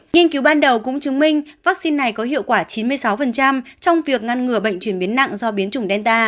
nhiên cứu ban đầu cũng chứng minh vắc xin này có hiệu quả chín mươi sáu trong việc ngăn ngừa bệnh chuyển biến nặng do biến chủng delta